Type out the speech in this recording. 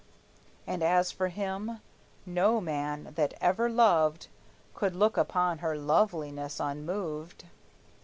And as for him, no man that ever loved Could look upon her loveliness unmoved.